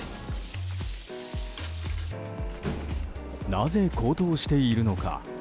なぜ高騰しているのか。